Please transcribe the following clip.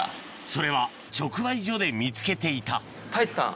それは直売所で見つけていた太一さん